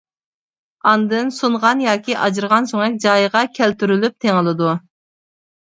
ئاندىن سۇنغان ياكى ئاجرىغان سۆڭەك جايىغا كەلتۈرۈلۈپ تېڭىلىدۇ.